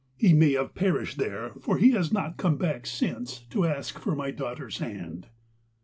He may have perished there, for he has not come back since to ask for my daughter's hand.'